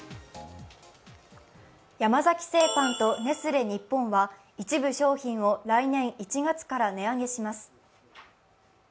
山崎製パンとネスレ日本は一部商品を来年１月から値上げします。